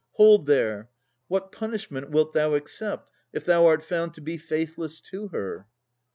Hold there! What punishment Wilt thou accept, if thou art found to be Faithless to her?